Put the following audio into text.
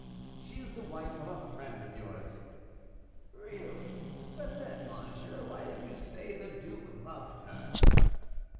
"She is the wife of a friend of yours." "Really! but then, monsieur, why did you say the duke loved her?"